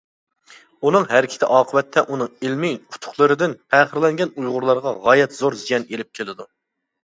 ئۇنىڭ ھەرىكىتى ئاقىۋەتتە ئۇنىڭ ئىلمىي ئۇتۇقلىرىدىن پەخىرلەنگەن ئۇيغۇرلارغا غايەت زور زىيان ئېلىپ كېلىدۇ.